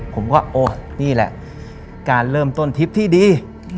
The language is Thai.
ผมก็โอ๊ยนี่แหละการเริ่มต้นทริปที่ดี